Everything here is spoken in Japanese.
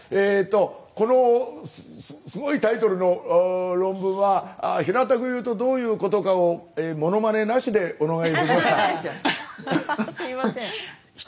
えっとこのすごいタイトルの論文は平たく言うとどういうことかをものまねなしでお願いできますか。